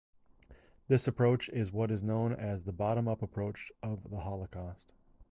This approach is what is known as the bottom-up approach of the Holocaust.